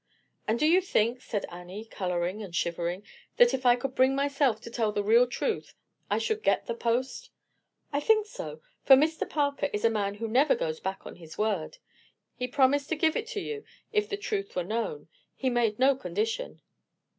"And do you think," said Annie, coloring and shivering, "that if I could bring myself to tell the real truth I should get the post?" "I think so; for Mr. Parker is a man who never goes back on his word. He promised to give it to you if the truth were known. He made no condition."